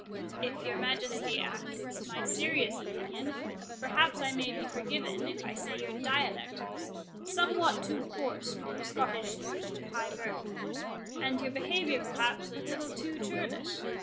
"If your Majesty asks my serious opinion, perhaps I may be forgiven if I say your dialect was somewhat too coarse for a Scottish youth of high birth, and your behaviour perhaps a little too churlish.